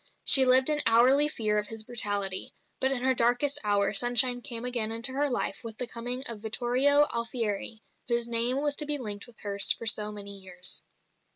She lived in hourly fear of his brutality; but in her darkest hour sunshine came again into her life with the coming of Vittorio Alfieri, whose name was to be linked with hers for so many years.